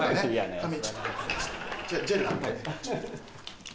はい。